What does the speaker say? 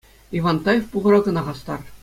Ивантаев пухура кӑна хастар.